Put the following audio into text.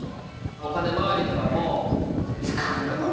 お金周りとかもブッキングとかも。